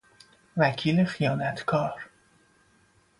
وکیل خیانت کار